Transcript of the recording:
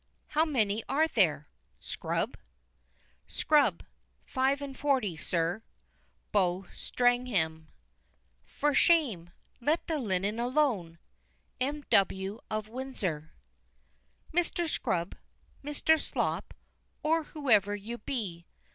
How many are there, Scrub?" "Scrub. Five and forty, Sir." Beaux' Stratagem. "For shame let the linen alone!" M. W. of Windsor. Mr. Scrub Mr. Slop or whoever you be!